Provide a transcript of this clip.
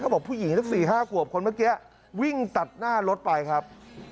บอกผู้หญิงสัก๔๕ขวบคนเมื่อกี้วิ่งตัดหน้ารถไปครับ